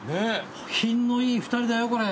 品のいい２人だよこれ。